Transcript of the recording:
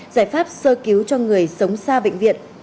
giải pháp sơ cứu cho người sống xa bệnh viện